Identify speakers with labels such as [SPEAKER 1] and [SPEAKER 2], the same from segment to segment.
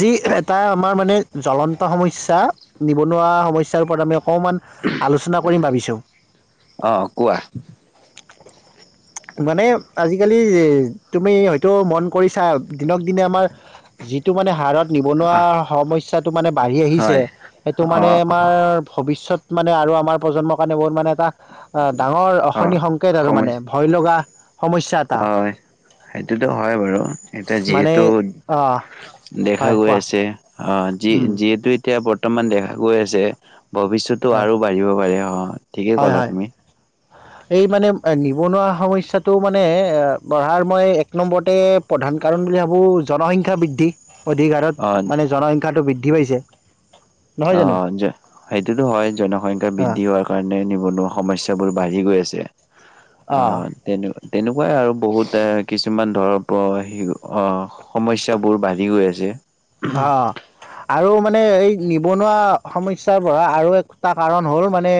[SPEAKER 1] যি এটা আমাৰ মানে জ্বলন্ত সমস্যা, নিবনুৱা সমস্যাৰ ওপৰত আমি। অকমান আলোচনা কৰিম ভাবিছো?
[SPEAKER 2] অ' কোৱা
[SPEAKER 1] মানে আজিকালি তুমি হয়তো মন কৰিছা দিনক দিনে আমাৰ যিটো মানে হাৰত। নিবনুৱা
[SPEAKER 2] আহ
[SPEAKER 1] সমস্্যাটো মানে বাঢ়ি আহিছে
[SPEAKER 2] হয়
[SPEAKER 1] এইটো মানে
[SPEAKER 2] অ'
[SPEAKER 1] আমাৰ
[SPEAKER 2] অ'
[SPEAKER 1] ভৱিষয়ত? মানে আৰু আমাৰ প্ৰজন্মৰ কাৰণে বহুত মানে তাক। ডাঙৰ অসনি
[SPEAKER 2] অ'
[SPEAKER 1] সংকেত আৰু মানে?
[SPEAKER 2] সমস্যা
[SPEAKER 1] হয় লগা। সমস্যা এটা
[SPEAKER 2] হয় সেইটোতো হয় বাৰু এতিয়া
[SPEAKER 1] মানে
[SPEAKER 2] যিহেতু
[SPEAKER 1] অ
[SPEAKER 2] দেখা
[SPEAKER 1] হয়
[SPEAKER 2] গৈ
[SPEAKER 1] কোৱা
[SPEAKER 2] আছে অ যি
[SPEAKER 1] উম
[SPEAKER 2] যিহেতু? এতিয়া বৰ্তমান দেখা গৈ আছে? ভৱিষ্যতটো
[SPEAKER 1] হয়
[SPEAKER 2] আৰু বাঢ়িব পাৰে হয়। ঠিকেই
[SPEAKER 1] হয়
[SPEAKER 2] ক'লা
[SPEAKER 1] হয়।
[SPEAKER 2] তুমি?
[SPEAKER 1] এই মানে নিবনুৱা সমস্াটো মানে এ বঢ়াৰ মই এক নম্বৰতে প্ৰধান কাৰণ বুলি ভাবো জনসংখ্য্া বৃদ্ধি। অধিক হাৰত
[SPEAKER 2] অ'
[SPEAKER 1] মানে জনসংখ্যাটো বৃদ্ধি? বুদ্ধি পাইছে? নহয়
[SPEAKER 2] অ
[SPEAKER 1] জানো
[SPEAKER 2] সেইটোতো হয় জনসংখ্যা
[SPEAKER 1] অঁ
[SPEAKER 2] বৃদ্ধি হোৱাৰ কাৰণে? কোনো সমস্যাবোৰ বাঢ়ি গৈ আছে? অ
[SPEAKER 1] অঁ
[SPEAKER 2] তেনে। তেনোক । আৰু বহুত এ কিছুমান? ধৰ সমস্যাবোৰ বাঢ়ি গৈ আছে?
[SPEAKER 1] হ। আৰু মানে এই নিবনুৱা সমস্যাৰ পৰা আৰু এটা কাৰণ হ'ল মানে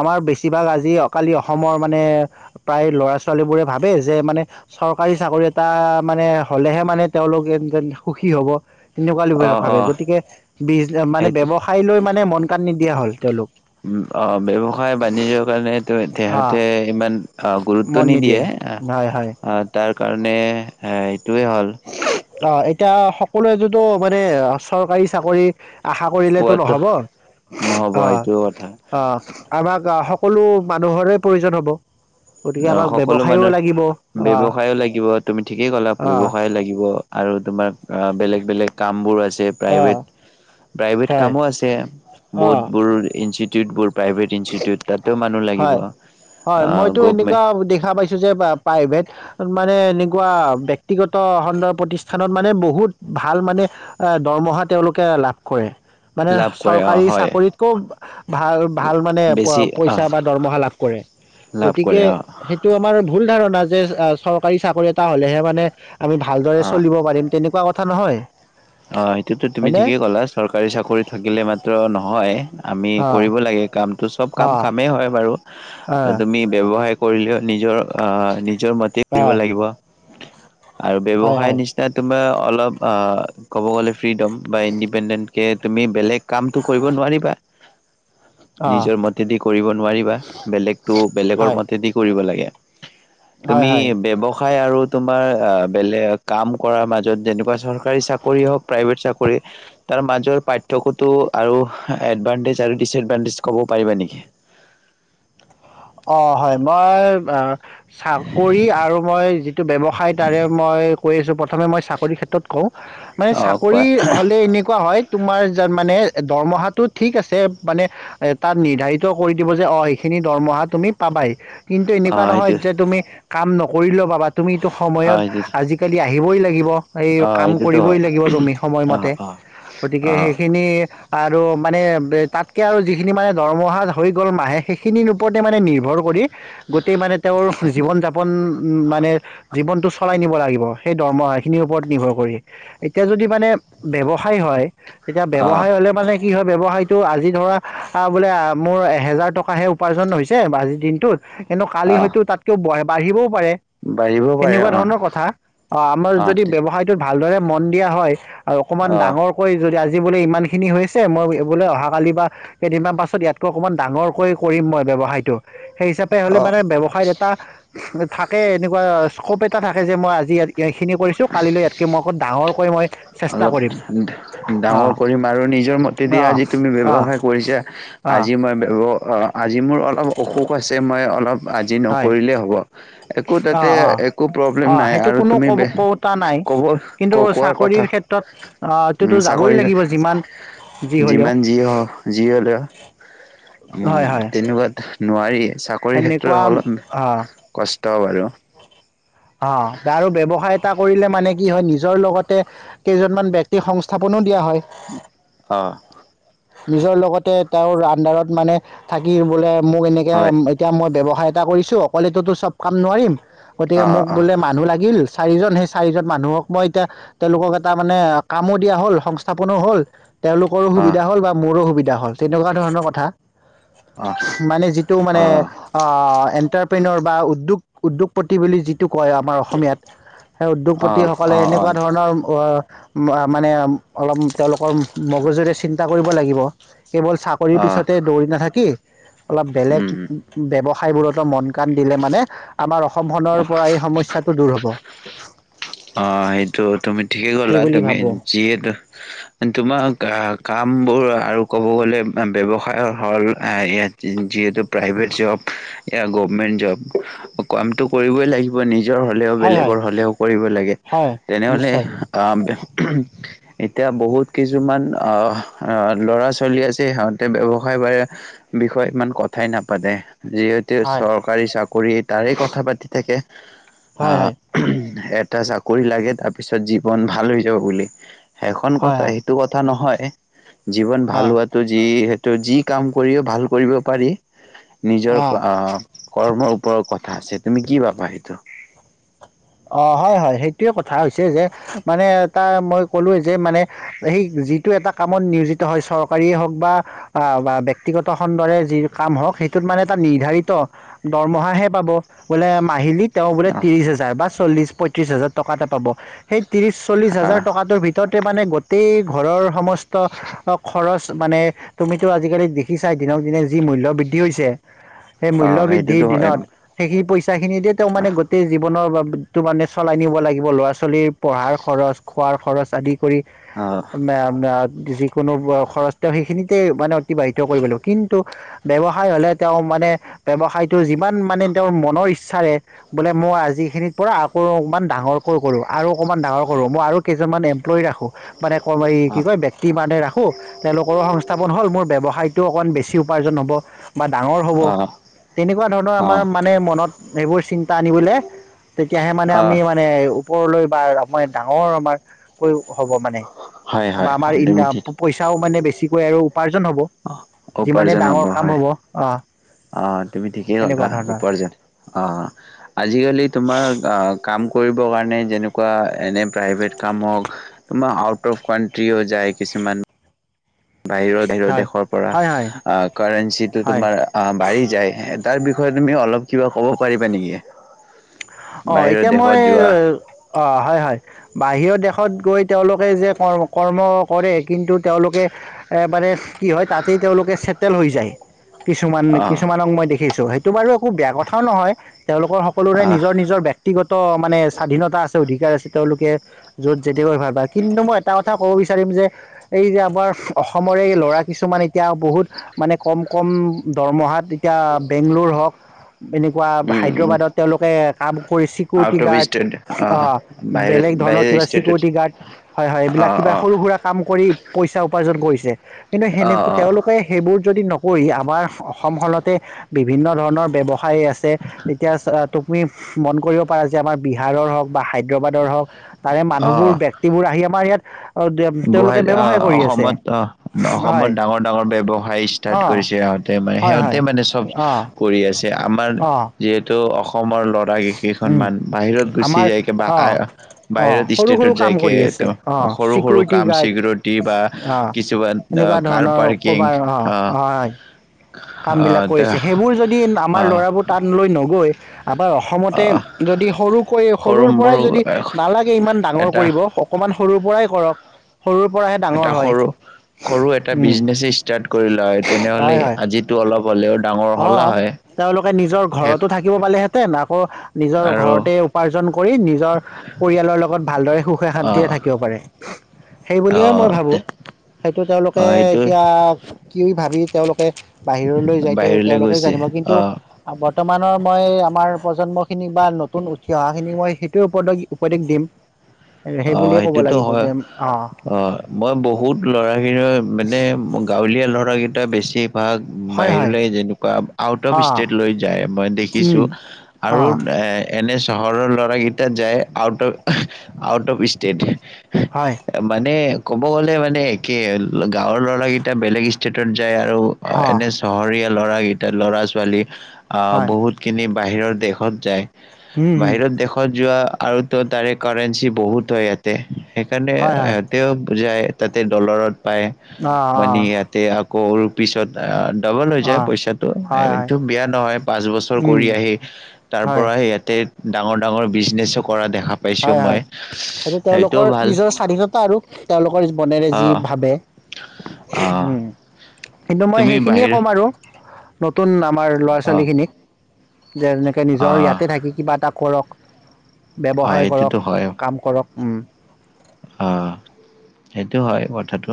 [SPEAKER 1] আমাৰ বেছিভাগ আজি অ কালি অসমৰ মানে প্ৰায় ল'ৰা ছোৱালীবোৰে ভাবে যে মানে চৰকাৰী চাকৰি এটা মানে হলেহে মানে তেওঁলোক সুখী হ'ব? তেনেকুৱা লোকে
[SPEAKER 2] অ'
[SPEAKER 1] ভাবে
[SPEAKER 2] অ'
[SPEAKER 1] গতিকে বিজ মানে
[SPEAKER 2] সেইটো
[SPEAKER 1] ব্যৱসায় লৈ মানে। মানে মন কান নিদিয়া হ'ল তেওঁলোক?
[SPEAKER 2] উম অ ব্যৱসায় বানিজ্যৰ কাৰনে
[SPEAKER 1] আহ
[SPEAKER 2] তেহঁতে ইমান? অ গুৰুত্ব
[SPEAKER 1] মন
[SPEAKER 2] নিদিয়ে
[SPEAKER 1] হয়
[SPEAKER 2] তাৰ। কাৰণে এ এইটোৱে হ'ল
[SPEAKER 1] উ অ এতিয়া। সকলোৱে যতো মানে চৰকাৰী চাকৰি? আশা কৰিলেতো
[SPEAKER 2] পোৱাতো
[SPEAKER 1] নহ'ব অ
[SPEAKER 2] নহ'ব এইটো কথা।
[SPEAKER 1] অ। আমাক সকলো মানুহৰে প্ৰয়োজন হ'ব। গতিকে
[SPEAKER 2] অ
[SPEAKER 1] আমাক
[SPEAKER 2] সকলো
[SPEAKER 1] ব্যৱসায়ও
[SPEAKER 2] মানুহ
[SPEAKER 1] লাগিব আহ
[SPEAKER 2] ব্যৱসায়ো লাগিব তুমি ঠিকেই ক'লা
[SPEAKER 1] আহ
[SPEAKER 2] ব্যৱসায় লাগিব? আৰু তোমাৰ অ বেলেগ বেলেগ কাম বোৰ আছে? যে
[SPEAKER 1] আহ
[SPEAKER 2] প্ৰাইভেট। প্ৰাইভেট
[SPEAKER 1] হয়
[SPEAKER 2] কামো আছে বহুত
[SPEAKER 1] আহ
[SPEAKER 2] বোৰ ই িব [inaudible] প্ৰাইভেট ইনষ্টিটিউট তাতো মানুহ লাগিব
[SPEAKER 1] হয় হয় মইতো
[SPEAKER 2] আ
[SPEAKER 1] এনেকুৱা দেখা পাইছো যে পায় মানে এনেকুৱা ব্যক্তিগত খণ্ড প্ৰতিষ্ঠানত মানে বহুত ভাল মানে দৰমহা তেওঁলোকে লাভ কৰে মানে
[SPEAKER 2] লাভ কৰে অ'
[SPEAKER 1] চৰকাৰী
[SPEAKER 2] হয়
[SPEAKER 1] চাকৰিতকও ভাল ভাল মানে
[SPEAKER 2] বেছি আহ
[SPEAKER 1] পইচা বা দৰমহা লাভ কৰে
[SPEAKER 2] লাভ কৰে
[SPEAKER 1] গতিকে
[SPEAKER 2] অ'
[SPEAKER 1] সেইটো আমাৰ ভুল ধাৰণা যে চৰকাৰী চাকৰি এটা হলেহে মানে আমি ভালদৰে
[SPEAKER 2] অ'।
[SPEAKER 1] চলিব পাৰিম তেনেকুৱা কথা নহয়
[SPEAKER 2] অ সেইটোতো তুমি
[SPEAKER 1] হয়নে
[SPEAKER 2] ঠিকেই কলা চৰকাৰী চাকৰি থাকিলে মাত্ৰ নহয় আমি
[SPEAKER 1] অঁ
[SPEAKER 2] কৰিব লাগে কাম তো চব কাম
[SPEAKER 1] অঁ
[SPEAKER 2] কামেই হয় বাৰু তুমি ব্যৱসায় কৰিলেও নিজৰ অ নি নিজৰ মতে কৰিব
[SPEAKER 1] অঁ
[SPEAKER 2] লাগিব উ [inaudible] আৰু
[SPEAKER 1] হয় হয়
[SPEAKER 2] ব্যৱসায়
[SPEAKER 1] হয়
[SPEAKER 2] নিচিনা তোমাৰ অলপ ক'ব গলে ফ্ৰীডম বা ইণ্ডিপেণ্ডেণ্ট তে তুমি বেলেগ কামটো কৰিব নোৱাৰিবা
[SPEAKER 1] অঁ
[SPEAKER 2] নিজৰ মতেদি কৰিব নোৱাৰিবা বেলেগটো বেলেগৰ
[SPEAKER 1] হয়
[SPEAKER 2] মতেদি কৰিব লাগে
[SPEAKER 1] হয়
[SPEAKER 2] তুমি
[SPEAKER 1] হয়
[SPEAKER 2] ব্যৱসা হয় আৰু তোমাৰ বেলেগ কাম কৰাৰ মাজত যেনেকুৱা চৰকাৰী চাকৰি ৰি কৰি আহক প্ৰাইভেট চাকৰি, তাৰ মাজৰ পাৰ্থক্য টো আৰু এডভাইন্তেজ আৰু দিছএডভাইন্তেজ কব পাৰিবা নেকি?
[SPEAKER 1] অ' হয়, মই চাকৰি আৰু মই যিটো ব্যৱসায় তাৰে মই কৈ আছোঁ। প্ৰথমে মই চাকৰিৰ ক্ষেত্ৰত কওঁ মানে
[SPEAKER 2] অ কোৱা
[SPEAKER 1] চাকৰি হ'লে, । এনেকুৱা হয় তোমাৰ য মানে দৰমহাটো ঠিক আছে মানে এ তাত নিৰ্ধাৰিত কৰি দিব, যে, অ' সেইখিনি দৰমহা তুমি পাবাই কিন্তু
[SPEAKER 2] অ
[SPEAKER 1] এনেকুৱা নহয়
[SPEAKER 2] সেইটো
[SPEAKER 1] যে তুমি কাম নকৰিলেও বাবা তুমি এইটো
[SPEAKER 2] অ
[SPEAKER 1] সময়ত,
[SPEAKER 2] সেইটো
[SPEAKER 1] আজিকালি আহিবই লাগিব। এই
[SPEAKER 2] অ
[SPEAKER 1] কাম
[SPEAKER 2] সেইটোতো
[SPEAKER 1] কৰিবই
[SPEAKER 2] হয়
[SPEAKER 1] লাগিব, তুমি
[SPEAKER 2] অ
[SPEAKER 1] সময়মতে,
[SPEAKER 2] অ
[SPEAKER 1] গতিকে
[SPEAKER 2] অ
[SPEAKER 1] সেইখিনি আৰু মানে তাতকে আৰু যিখিনি মানে দৰমহা হৈ গ'ল, মাহে সেইখিনিৰ ওপৰত মানে নিৰ্ভৰ কৰি--। গোটেই মানে, তেওঁৰ জীৱন যাপন উ, মানে জীৱনতটো চলাই নিব লাগিব সেই দৰমহা খিনিৰ ওপৰত নিৰ্ভৰ কৰি এতিয়া যদি মানে ব্যৱসায় । বৱসায় হয়, তেতিয়া
[SPEAKER 2] অ
[SPEAKER 1] ব্যৱসায় হলে মানে--। কি হয়, ব্যৱসায়টো আজি ধৰা বোলে মোৰ এ হেজাৰ টকাহে উপাৰ্জন হৈছে--। আজিৰ দিনটোত--। কিন্ত কালি
[SPEAKER 2] অ
[SPEAKER 1] হয়তো তাতকেও ব--। বাঢ়িব পাৰে
[SPEAKER 2] বাঢ়িব পাৰে অ
[SPEAKER 1] সেনেকুৱা ধৰণৰ কথা, আমাৰ যদি ব্যৱসায় তোত ভালদৰে মন দিয়া হয়, আৰু অকণমান
[SPEAKER 2] অ
[SPEAKER 1] ডাঙৰকৈ, যদি আজি আজি বোলে ইমানখিনি হৈছে মই বোলে, অহাকালি বা কেইদিনমান পাছত ইয়াতকৈ অকণমান ডাঙৰক কৰিম মই ব্যৱসায়টো টো। সেই হিচাপে হলে
[SPEAKER 2] অ অ
[SPEAKER 1] মানে ব্যৱসায়ত এটা থাকে, এনেকুৱা--। স্ক'প এটা থাকে, যে মই আজি এইখিনি কৰিছো কালিলৈ ইয়াতকৈ মই অকৌ ডাঙৰ হয় মই [unintelligible]
[SPEAKER 2] অলপ
[SPEAKER 1] কৰিম
[SPEAKER 2] ডাঙৰ
[SPEAKER 1] অঁ
[SPEAKER 2] কৰিম আৰু নিজৰ মতে দিয়ে
[SPEAKER 1] অঁ
[SPEAKER 2] আজি তুমি
[SPEAKER 1] অঁ
[SPEAKER 2] ব্যৱসায় কৰিছা,
[SPEAKER 1] অঁ
[SPEAKER 2] আজি মই বৱ অঁ, আজি মোৰ অলপ অসুখ আছে মই অলপ--। আজি
[SPEAKER 1] হয়
[SPEAKER 2] নকৰিলেই হ'ব। একো তাতে
[SPEAKER 1] অঁ অঁ
[SPEAKER 2] একো প্ৰব্লেম
[SPEAKER 1] অঁ
[SPEAKER 2] নাই
[SPEAKER 1] সেইটো
[SPEAKER 2] আৰু
[SPEAKER 1] কোনো ক
[SPEAKER 2] তুমি ব
[SPEAKER 1] কওঁতা নাই
[SPEAKER 2] ক'ব ক
[SPEAKER 1] কিন্তু
[SPEAKER 2] কোৱাৰ কথা।
[SPEAKER 1] চাকৰিৰ ক্ষেত্ৰত তোতো
[SPEAKER 2] উম'
[SPEAKER 1] যাবই
[SPEAKER 2] চাকৰি
[SPEAKER 1] লাগিব যিমান যি হ'লেও
[SPEAKER 2] যিমান যি হ যি হলেও--।
[SPEAKER 1] হয়
[SPEAKER 2] উম'
[SPEAKER 1] হয়
[SPEAKER 2] তেনেকুৱা। নোৱাৰি। চাকৰি ক্ষেত্ৰত
[SPEAKER 1] সেনেকুৱা
[SPEAKER 2] অলপ
[SPEAKER 1] অ
[SPEAKER 2] কষ্ট, । ত', বাৰু।
[SPEAKER 1] অ', আৰু ব্যবসায় এটা কৰিলে মানে, কি', হয়, নিজৰ লগতে কেইজনমান ব্যক্তি সংস্থাপনো দিয়া হয়।
[SPEAKER 2] অ',
[SPEAKER 1] নিজৰ লগতে তেওঁৰ আণ্ডাৰত মানে থাকি বোলে, মোক এনেকে,
[SPEAKER 2] হয়
[SPEAKER 1] এতিয়া মই', ব্যৱসায়, এটা কৰিছো, অকলেতোতো চব কাম নোৱাৰিম। গতিকে
[SPEAKER 2] অ
[SPEAKER 1] মোক
[SPEAKER 2] অ
[SPEAKER 1] বোলে মানুহ লাগিল, চাৰিজন সেই চাৰিজন মানুহক মই এতিয়া তেওঁলোকক এটা মানে কামো দিয়া হ'ল, সংস্থাপনো হল তেওঁলোকৰো
[SPEAKER 2] অ অ অ
[SPEAKER 1] সুবিধা হ'ল- বা মোৰো সুবিধা, এতিয়া হ'ল-তেনেকুৱা ধৰণৰ কথা, মানে যিটো মানে অ', এণ্টাৰ, পেনৰ বা উদ্যোগ-উদ্যোগ, প্ৰতি বুলি, টো', -কয়', আমাৰ অসমীয়াত সেই
[SPEAKER 2] অ
[SPEAKER 1] উদ্যোগপতিসকলে
[SPEAKER 2] অ অ
[SPEAKER 1] এনেকুৱা ধৰণৰ ৱ', মানে অলপ তেওঁলোকৰ মগজুৰে চিন্তা কৰিব লাগিব। কেৱল চাকৰিৰ
[SPEAKER 2] অ
[SPEAKER 1] পিছতে দৌৰি নাথাকি, অলপ বেলেগ
[SPEAKER 2] উম
[SPEAKER 1] ব্যৱসায় বোৰতো মন কান, দিলে মানে আমাৰ, সমখনৰ পৰা এই সমস্যাটো দূৰ হ'ব। উঃ [unintelligible]
[SPEAKER 2] অ', সেইটো তুমি', ঠিকেই ক'লা
[SPEAKER 1] বুলি
[SPEAKER 2] তুমি
[SPEAKER 1] ভাবোঁ
[SPEAKER 2] যিহেতু তোমাৰ গা, কামবোৰ আৰু ক'ব গ'লে ব্যৱসায়ৰ হ'ল- যিহেতু প্ৰাইভেট জব, ইয়া গভমেন্ট জব কামটো কৰিবই লাগিব নিজে। নিজৰ হলেও,
[SPEAKER 1] হয় হয়
[SPEAKER 2] বেলেগৰ হলেও কৰিব লাগে।
[SPEAKER 1] হয়
[SPEAKER 2] তেনেহ'লে
[SPEAKER 1] নিশ্চয়
[SPEAKER 2] আহ', এতিয়া বহুত কিছুমান অ', ল'ৰা ছোৱালী আছে, সিহঁতে ব্যৱসায় বাহিৰে বিষয়ে ইমান কথাই নাপাতে। যিহেতু
[SPEAKER 1] হয়
[SPEAKER 2] চৰকাৰী চাকৰি তাৰে কথা পাতি থাকে।
[SPEAKER 1] হয়
[SPEAKER 2] অ',
[SPEAKER 1] হয়
[SPEAKER 2] হেত, [unintelligible] এটা চাকৰি লাগে তাৰ পিছত জীৱন ভাল হৈ যাব বুলি। সেইখন
[SPEAKER 1] হয়
[SPEAKER 2] কথা,
[SPEAKER 1] হয়
[SPEAKER 2] সেইটো কথা নহয়। এ', জীৱন ভাল
[SPEAKER 1] অঁ
[SPEAKER 2] হোৱাটো যি ত' যি কাম কৰিও ভাল কৰিব পাৰি নিজৰ
[SPEAKER 1] অঁ
[SPEAKER 2] কাঁ অ অ কৰ্মৰ ওপৰত কথা আছে তুমি কি পাবা সেইটো?
[SPEAKER 1] অ ', হয়- হয় সেইটোৱে কথা হৈছে যে মানে এটা মই কলোৱেই যে মানে সেই যিটো এটা কামত নিয়োজিত হয় চৰকাৰীয়ে হওক বা ব্যক্তিগত খণ্ডৰে যি কাম হওক সেইটোত মানে এটা নিৰ্ধাৰিত দৰমহাহে পাব বোলে মাহিলীত তেওঁ বোলে
[SPEAKER 2] অহ
[SPEAKER 1] ত্ৰিছ হাজাৰ বা চল্লিছ পঁয়ত্ৰিছ হাজাৰ টকা এটা পাব সেই ত্ৰিছ চল্লিছ হাজাৰ
[SPEAKER 2] আহ
[SPEAKER 1] টকাৰটো ভিতৰতে মানে গোটেই ঘৰৰ সমষ্টি ভিতৰত বা খৰচ, মানে তুমিতো আজিকালি দেখিছাই দিনক দিনে যি মূল্য বৃদ্ধি হৈছে। এই মূল্য
[SPEAKER 2] অহ
[SPEAKER 1] বৃদ্ধিৰ
[SPEAKER 2] সেইটোতো হয়
[SPEAKER 1] দিনত সেইখিনি পইচা পিইচা খিনি দিয় তেওঁ মানে
[SPEAKER 2] অহ
[SPEAKER 1] গোটেই জীৱনৰ বাবে সেইতো মানে চলাই নিব লাগিব ল'ৰা ছোৱালীৰ পঢ়াৰ খৰচ খোৱাৰ খৰচ আদি কৰি আ' মে ম ', যিকোনো হোৱা খৰচ তেওঁ সেইখিনিতে মানে অতিবাহিত কৰি লাগিব কিন্তু ব্যৱসায় হলে তেওঁ মানে ব্যৱসায়ত তেওঁ যিমান মানে তেওঁৰ মনৰ ইচ্ছা বিচাৰে বোলে মই আজি খিনিত পৰা আকৌ অকমান ডাঙৰকৈ কৰোঁ আৰু অকণমান ডাঙৰ কৰোঁ মই আৰু কেইজনমান এমপ্লেয় ৰাখো মানে ক কি
[SPEAKER 2] অহ
[SPEAKER 1] কয় ব্যক্তি মানে ৰাখো তেওঁলোকৰো সংস্থাপন হল মোৰ ব্যৱসায়তো অকমান বেছি উপাৰ্জন হ'ব বা ডাঙৰ হ'ব
[SPEAKER 2] অহ
[SPEAKER 1] তেনেকুৱা ধৰণৰ আমাৰ
[SPEAKER 2] অহ
[SPEAKER 1] মানে মনত এইবোৰ চিন্তা আনিবলৈ, তেতিয়াহে মানে আমি
[SPEAKER 2] অহ
[SPEAKER 1] মানে ওপৰলৈ বা আৰু মই ডাঙৰ আমাৰ হ'ব মানে
[SPEAKER 2] হয়
[SPEAKER 1] বা আমা
[SPEAKER 2] হয়
[SPEAKER 1] আমাৰ
[SPEAKER 2] হয়
[SPEAKER 1] পইচাও মানে বেছি কৈ আৰু' উপাৰ্জন হ'ব
[SPEAKER 2] অ '
[SPEAKER 1] যিমানে
[SPEAKER 2] উপাৰ্জন
[SPEAKER 1] ডাঙৰ
[SPEAKER 2] হ'ব
[SPEAKER 1] কাম
[SPEAKER 2] হয়
[SPEAKER 1] অ
[SPEAKER 2] অ ' তুমি ঠিকেই
[SPEAKER 1] সেনেকুৱা
[SPEAKER 2] ক'লা
[SPEAKER 1] ধৰণৰ
[SPEAKER 2] উপাৰ্জন অ 'আজিকালি তোমাৰ। কাম কৰিবৰ কাৰণে যেনেকুৱা এনে প্ৰাইভেট কাম হঁ ওখ মানে আউট অফ কাণ্ট্ৰিও যায় কিছুমান বাহিৰৰ -বাহিৰৰ
[SPEAKER 1] হয়
[SPEAKER 2] দেশৰ পৰা
[SPEAKER 1] হয় হয়
[SPEAKER 2] কাৰেঞ্চিটো
[SPEAKER 1] হয়
[SPEAKER 2] তোমাৰ আহ বাঢ়ি যায় তাৰ বিষয়ে তুমি অলপ কিবা ক'ব পাৰিবা নেকি?
[SPEAKER 1] অ
[SPEAKER 2] বাহিৰৰ
[SPEAKER 1] এতিয়া মই
[SPEAKER 2] দেশত যোৱা
[SPEAKER 1] অ হয় হয় বাহিৰৰ দেশ দেশত গৈ তেওঁলোকে যে কৰ্ম কৰে। কিন্তু তেওঁলোকে এ মানে কি হয় তাতেই তেওঁলোকে চেক তেল হৈ যায়। কিছুমান
[SPEAKER 2] অ
[SPEAKER 1] কিছুমানক মই দেখিছো সেই। তোমাৰো বেয়া কথাও নহয়, তেওঁলোকৰ সকলোৰে
[SPEAKER 2] অ
[SPEAKER 1] নিজ ব্যক্তিগত মানে স্বাধীনতা আছে। অধিকাৰ আছে তেওঁলোকে য'ত কিহৰ ভাত বাকি দিনটো এটাও কথা ক'ব বিচাৰিম যে এই যে আমাৰ অসমৰে এই ল'ৰা কিছুমান এতিয়া বহুত মানে কম কম দৰমহাত। এতিয়া বেংলোৰ হওক এনেকুৱা
[SPEAKER 2] উম উম
[SPEAKER 1] হায়দৰাবাদত তেওঁলোকে। কাম কৰি security
[SPEAKER 2] out of
[SPEAKER 1] guard
[SPEAKER 2] state
[SPEAKER 1] অ
[SPEAKER 2] বাহিৰ
[SPEAKER 1] বেলেগ ধৰণৰ
[SPEAKER 2] বাহিৰৰ
[SPEAKER 1] কিবা
[SPEAKER 2] ষ্টেটত
[SPEAKER 1] চিকিউৰিটি গাৰ্ড হয় হয়
[SPEAKER 2] অ
[SPEAKER 1] এইবিলাক কিবা
[SPEAKER 2] অ
[SPEAKER 1] সৰু সুৰা কাম কৰি পইচা উপাৰ্জন কৰিছে। যে কিন্তু
[SPEAKER 2] অ
[SPEAKER 1] সেনেক তেওঁলোকে সেইবোৰ যদি ন কৰি আমাৰ অসম খনতে বিভিন্ন ধৰণৰ ব্যৱহাৰ খাই আছে এতিয়া তুমি- মন কৰিব পাৰা যে আমাৰ বিহাৰৰ হওক বা হায়দৰাবাদৰ হওক তাৰে
[SPEAKER 2] অ অ
[SPEAKER 1] মানুহবোৰ ব্যক্তিবোৰ আহি। আমাৰ ইয়াত তেওঁলোকে
[SPEAKER 2] গুৱাহাটী অ
[SPEAKER 1] ব্যৱসায় কৰি আছে
[SPEAKER 2] অসমত অ
[SPEAKER 1] হয়
[SPEAKER 2] অসমত ডাঙৰ ডাঙৰ ব্যৱসায় ষ্টাৰ্ট
[SPEAKER 1] অঁ
[SPEAKER 2] কৰিছে, সিহতে মানে
[SPEAKER 1] হয়
[SPEAKER 2] সিহঁতে
[SPEAKER 1] হয়
[SPEAKER 2] মানে চব
[SPEAKER 1] অঁ
[SPEAKER 2] কৰি আছে। যে আমাৰ
[SPEAKER 1] অঁ
[SPEAKER 2] যিহেতু অসম। অসমৰ ল'ৰা কেই কেইখনমান বাহিৰত গুচি
[SPEAKER 1] আমাৰ
[SPEAKER 2] যাইকে বা
[SPEAKER 1] অঁ অ
[SPEAKER 2] বাহিৰত
[SPEAKER 1] সৰু সৰু
[SPEAKER 2] ষ্টেটত
[SPEAKER 1] কাম
[SPEAKER 2] যাইকে
[SPEAKER 1] কৰি আছে
[SPEAKER 2] তেওঁ অ সৰু সৰু
[SPEAKER 1] চিকিউৰিটি
[SPEAKER 2] কাম
[SPEAKER 1] গাৰ্ড
[SPEAKER 2] চিকিউৰিটি বা
[SPEAKER 1] অ
[SPEAKER 2] কিছুমান
[SPEAKER 1] এনেকুৱা
[SPEAKER 2] কাৰ
[SPEAKER 1] ধৰণৰ
[SPEAKER 2] পাৰ্কিং।
[SPEAKER 1] ক'বাৰ অ হয় কাম বিলাক
[SPEAKER 2] আহ
[SPEAKER 1] কৰিছে সেইবোৰ যদি আমাৰ
[SPEAKER 2] আহ
[SPEAKER 1] ল'ৰাবোৰ তাত লৈ নগৈ। আমাৰ অসমতে
[SPEAKER 2] আহ
[SPEAKER 1] যদি সৰুকৈ
[SPEAKER 2] সৰু
[SPEAKER 1] সৰুৰ পৰাই
[SPEAKER 2] মৰু
[SPEAKER 1] যদি নালাগে ইমান ডাঙৰ
[SPEAKER 2] এটা
[SPEAKER 1] কৰিব অকণমান সৰুৰ পৰাই। কৰক সৰুৰ পৰাহে ডাঙৰ
[SPEAKER 2] এটা
[SPEAKER 1] হয়
[SPEAKER 2] সৰু সৰু এটা
[SPEAKER 1] উম
[SPEAKER 2] বিজনেচ ষ্টাৰ্ট। কৰি ল হয় তেনেহ'লে
[SPEAKER 1] হয় হয়
[SPEAKER 2] আজিতো অলপ হ'লেও ডাঙৰ
[SPEAKER 1] অ
[SPEAKER 2] হ'লা হয়
[SPEAKER 1] তেওঁলোকে নিজৰ
[SPEAKER 2] শেষ
[SPEAKER 1] ঘৰতো থাকিব পালেহেঁতেন আকৌ নিজৰ
[SPEAKER 2] আৰু
[SPEAKER 1] ঘৰতে উপাৰ্জন কৰি নিজৰ পৰিয়ালৰ লগত ভালদৰে সুখে শান্তিৰে
[SPEAKER 2] আহ
[SPEAKER 1] থাকিব পাৰে। সেই
[SPEAKER 2] আহ
[SPEAKER 1] বুলিয়ে মই
[SPEAKER 2] আহ
[SPEAKER 1] ভাবোঁ সেইটো তেওঁলোকে
[SPEAKER 2] সেইটো
[SPEAKER 1] এতিয়া। কি ভাবি তেওঁলোকে বাহিৰলৈ যাইতে
[SPEAKER 2] বাহিৰলৈ
[SPEAKER 1] তেওঁলোকে
[SPEAKER 2] গৈছে
[SPEAKER 1] জানিব কিন্তু
[SPEAKER 2] আহ
[SPEAKER 1] বৰ্তমানৰ মই আমাৰ প্ৰজন্ম খিনি বা নতুন উঠি অহা খিনিক মই সেইটোোৱে উপদেশ দিম
[SPEAKER 2] অ
[SPEAKER 1] সেই বুলিয়ে ক'ব
[SPEAKER 2] সেইটোতো
[SPEAKER 1] লাগিব
[SPEAKER 2] হয়
[SPEAKER 1] যে
[SPEAKER 2] অ মই বহুত লৰা মানে গাঁৱলীয়া লৰাকেইটা বেছি বা
[SPEAKER 1] হয় হয়
[SPEAKER 2] বাহিৰলৈ যেনেকুৱা আউট অফ
[SPEAKER 1] অ
[SPEAKER 2] ষ্টেট লৈ যায় মই দেখিছো
[SPEAKER 1] উম অ
[SPEAKER 2] আৰু এ এন এছ চহৰৰ ল'ৰাকেইটা যায় out of out of state
[SPEAKER 1] হয়
[SPEAKER 2] মানে ক'ব গ'লে মানে একে গাঁৱৰ ল'ৰা কেইটা বেলেগ ষ্টেটত আৰু
[SPEAKER 1] অ
[SPEAKER 2] এনে চহৰীয়া ল'ৰাৰাকেইটা ল'ৰা ছোৱালী অ
[SPEAKER 1] হয়
[SPEAKER 2] বহুত খিনি বাহিৰৰ দেশত যায়
[SPEAKER 1] উম হম
[SPEAKER 2] বাহিৰত দেশত যোৱা আৰু তো তাৰে কাৰেন চি বহুত হয় ইয়াতে সেইকাৰণে
[SPEAKER 1] হয়
[SPEAKER 2] এ
[SPEAKER 1] হয়
[SPEAKER 2] তেওঁ যায় তাতে দলৰত পায়
[SPEAKER 1] অ অ
[SPEAKER 2] মানে ইয়াতে আকৌ পিছত ডাবল হৈ
[SPEAKER 1] অ
[SPEAKER 2] যায় পইচাটো
[SPEAKER 1] হয় হয়
[SPEAKER 2] এইটো বিয়া নহয় পাঁচ বছৰ
[SPEAKER 1] উম
[SPEAKER 2] কৰি আহি তাৰ
[SPEAKER 1] হয়
[SPEAKER 2] পৰাৰা ইয়াতে ডাঙৰ ডাঙৰ বিজনেছো কৰা দেখা পাইছোঁ মই
[SPEAKER 1] আৰু
[SPEAKER 2] সেইটোও
[SPEAKER 1] তেওঁলোকৰ
[SPEAKER 2] ভাল
[SPEAKER 1] নিজৰ স্বাধীনতা আৰু তেওঁলোকৰ মনেৰে
[SPEAKER 2] অ
[SPEAKER 1] যি ভাবে
[SPEAKER 2] অ
[SPEAKER 1] উম কিন্তু মই
[SPEAKER 2] তুমি
[SPEAKER 1] সেইখিনিয়ে
[SPEAKER 2] বাহিৰ
[SPEAKER 1] ক'ম আৰু নতুন নাম আমাৰ ল'ৰা
[SPEAKER 2] অ
[SPEAKER 1] ছোৱালীখিনিক যে এনেকে
[SPEAKER 2] অ
[SPEAKER 1] নিজৰ ইয়াতে থাকি কিবা এটা কৰক
[SPEAKER 2] অ
[SPEAKER 1] ব্যৱসায়
[SPEAKER 2] এইটোতো
[SPEAKER 1] কৰক
[SPEAKER 2] হয়
[SPEAKER 1] কাম কৰক উম
[SPEAKER 2] অ সেইটো হয় কথাটো।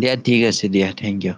[SPEAKER 2] দিয়া ঠিক আছে দিয়া থেংক ইউ।